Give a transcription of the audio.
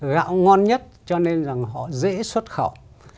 gạo ngon nhất cho nên họ dễ xuất khẩu